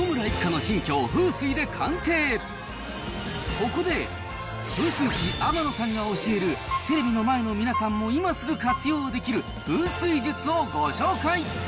ここで、風水師、天野さんが教える、テレビの前の皆さんも今すぐ活用できる風水術をご紹介。